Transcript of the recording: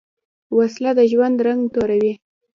وسله د ژوند رنګ توروې